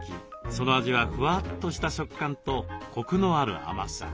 その味はふわっとした食感とコクのある甘さ。